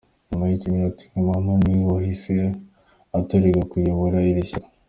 Nyuma y’iminota mike, Mahmoud Abbas niwe wahise atorerwa kuyobora iri shyaka.